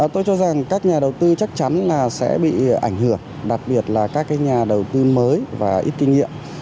tôi cho rằng các nhà đầu tư chắc chắn là sẽ bị ảnh hưởng đặc biệt là các nhà đầu tư mới và ít kinh nghiệm